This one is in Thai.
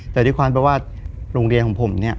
แต่ด้วยความว่าว่าโรงเรียนของผม